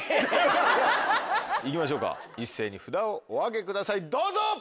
行きましょうか一斉に札をお上げくださいどうぞ！